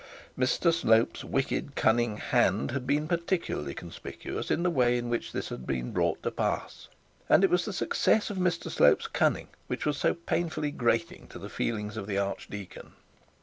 Mr Slope's wicked, cunning hand had been peculiarly conspicuous in the way in which this had been brought to pass, and it was the success of Mr Slope's cunning which was so painfully grating the feelings of the archdeacon.